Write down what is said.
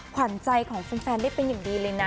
ขวัญใจของแฟนได้เป็นอย่างดีเลยนะ